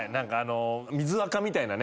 水垢みたいなね。